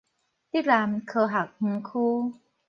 竹南科學園區